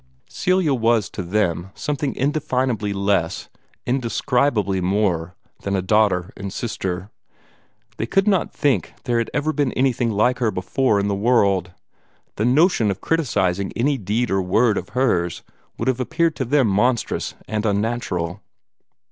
Celia was to them something indefinably less, indescribably more, than a daughter and sister. They could not think there had ever been anything like her before in the world; the notion of criticising any deed or word of hers would have appeared to them monstrous and unnatural.